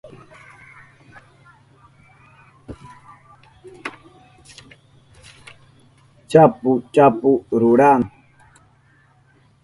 chapu chapu rurana